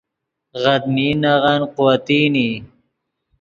غدمین نغن قوتین ای